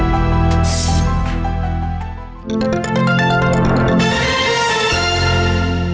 โปรดติดตามตอนต่อไป